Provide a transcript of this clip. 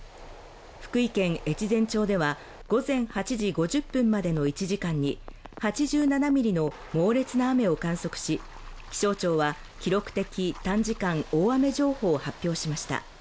福井県越前町では午前８時５０分までの１時間に８７ミリの猛烈な雨を観測し気象庁は記録的短時間大雨情報を発表しました